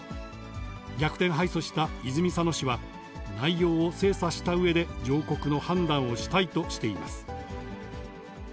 逆転敗訴した泉佐野市は、内容を精査したうえで上告の判断をしたいとしています。